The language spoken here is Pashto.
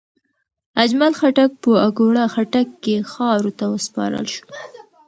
اجمل خټک په اکوړه خټک کې خاورو ته وسپارل شو.